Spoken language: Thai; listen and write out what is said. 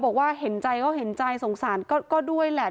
บอกว่าเห็นใจก็เห็นใจสงสารก็ด้วยแหละ